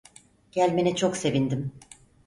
Gelmene çok sevindim.